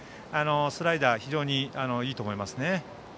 スライダー非常にいいと思います。